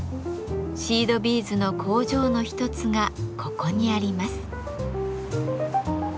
シードビーズの工場の一つがここにあります。